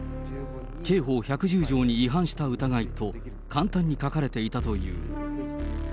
刑法１１０条に違反した疑いと、簡単に書かれていたという。